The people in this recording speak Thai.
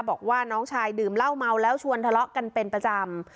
บอกว่าน้องชายดื่มเหล้าเมาแล้วชวนทะเลาะกันเป็นประจำ